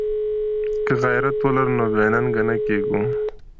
که غیرت ولرو نو بې ننګه نه کیږو.